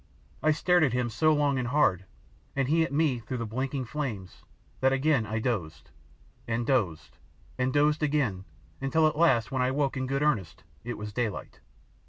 I stared at him so long and hard, and he at me through the blinking flames, that again I dozed and dozed and dozed again until at last when I woke in good earnest it was daylight.